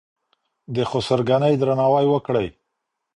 د خسرګنۍ درناوی وکړئ.